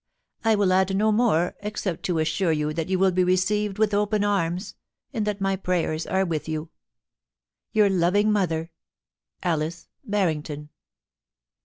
I will add no more except to assure you that you will be received with open arms, and that my prayers are with you. ' Your loving mother, ^ Alice Barrington.'